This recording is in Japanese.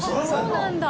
そうなんだ。